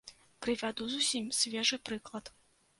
Прывяду зусім свежы прыклад.